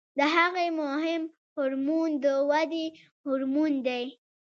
د هغې مهم هورمون د ودې هورمون دی.